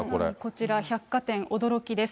こちら百貨店、驚きです。